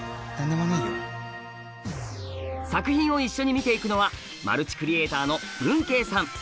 作品を一緒に見ていくのはマルチクリエイターのぶんけいさん。